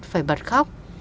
phải bật khóc